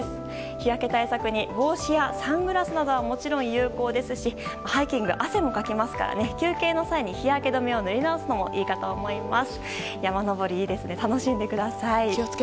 日焼け対策に帽子やサングラスなどはもちろん有効ですしハイキングでは汗もかきますから休憩の際に日焼け止めを塗り直してもいいですね。